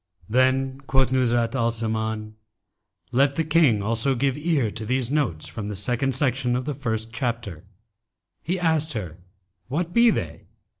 Then quoth Nuzhat al Zaman, "Let the King also give ear to these notes from the second section of the first chapter." He asked her 'What be they?'